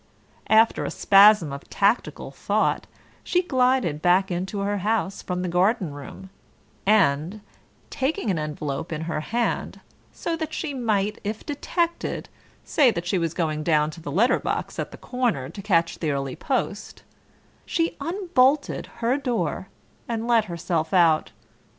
After a spasm of tactical thought she glided back into her house from the garden room, and, taking an envelope in her hand, so that she might, if detected, say that she was going down to the letter box at the corner to catch the early post, she unbolted her door and let herself out.